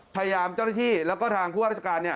พยายามเจ้าหน้าที่แล้วก็ทางผู้ว่าราชการเนี่ย